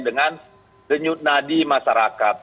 dengan denyut nadi masyarakat